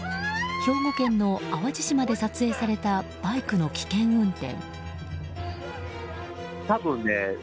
兵庫県の淡路島で撮影されたバイクの危険運転。